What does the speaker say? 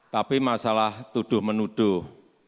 tapi masalah tuduh menuduh